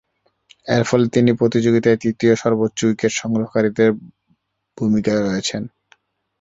এরফলে তিনি প্রতিযোগিতার তৃতীয় সর্বোচ্চ উইকেট-সংগ্রহকারীর ভূমিকায় রয়েছেন।